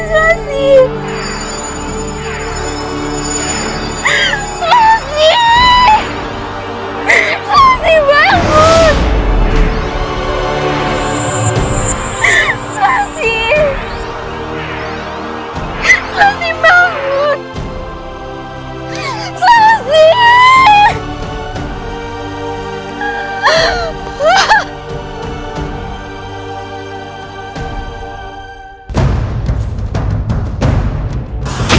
selasi selasi selasi bangun selasi